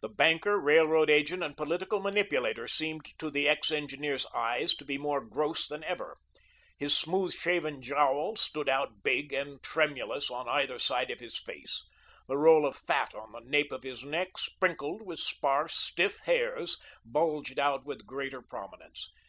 The banker, railroad agent, and political manipulator seemed to the ex engineer's eyes to be more gross than ever. His smooth shaven jowl stood out big and tremulous on either side of his face; the roll of fat on the nape of his neck, sprinkled with sparse, stiff hairs, bulged out with greater prominence.